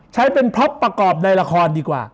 ใช้เป็นพล็อปประกอบในละครดีกว่า